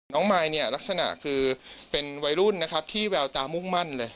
มายเนี่ยลักษณะคือเป็นวัยรุ่นนะครับที่แววตามุ่งมั่นเลย